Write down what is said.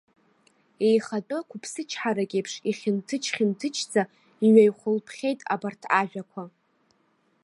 Еихатәы қәыԥсычҳарак еиԥш ихьынҭыџь-хьынҭыџьӡа иҩаихәылԥхьеит абарҭ ажәақәа.